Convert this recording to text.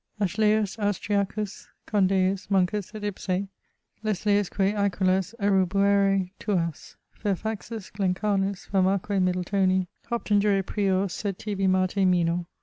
Ashleus, Austriacus, Condaeus, Monkus et ipse, Lesleiusque aquilas erubuêre tuas. Fairfaxus, Glencarnus, famaque Middletoni, Hopton jure prior sed tibi Marte minor.